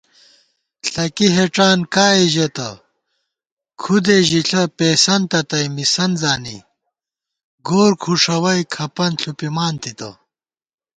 ݪَکی ہېڄان کائےژېتہ کھُدےژݪہ پېئیسَنتہ تئ مِسَنت زانی گورکھُݭَوَئی کھپَن ݪُپِمانتِتہ